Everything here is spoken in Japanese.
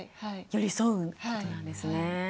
寄り添うことなんですね。